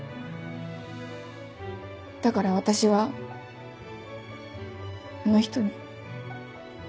だから私はあの人に。